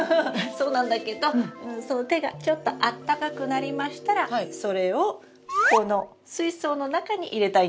そうなんだけどその手がちょっとあったかくなりましたらそれをこの水槽の中に入れたいんです。